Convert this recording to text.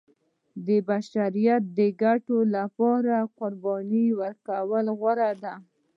د بشریت د ګټو لپاره قربانۍ ورکولو کې غوره دی.